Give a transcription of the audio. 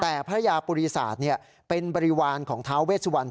แต่พระยาปุรีศาสตร์เป็นบริวารของท้าเวสวัน